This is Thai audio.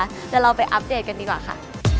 เดี๋ยวเราไปอัปเดตกันดีกว่าค่ะ